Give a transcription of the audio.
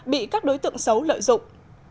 bị các đối tượng xấu lợi dụng